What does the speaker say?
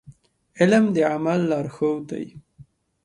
علم د عمل لارښود دی.